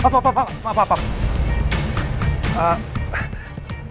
pak bapak ini yg kamu